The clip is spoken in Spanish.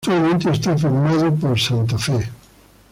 Actualmente está firmado por Santa Fe.